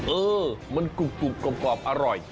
เออมันกรุบกรอบอร่อย